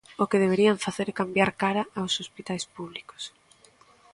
O que deberían facer é cambiar cara aos hospitais públicos.